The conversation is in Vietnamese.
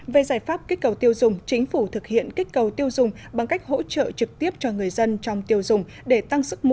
về giải pháp kích cầu tiêu dùng chính phủ thực hiện kích cầu tiêu dùng bằng cách hỗ trợ trực tiếp cho người dân trong tiêu dùng để tăng sức mua